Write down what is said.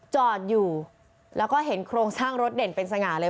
จอดอยู่แล้วก็เห็นโครงสร้างรถเด่นเป็นสง่าเลย